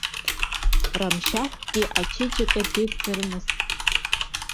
Рамшьыхәгьы ачеиџьыка деигӡарымызт?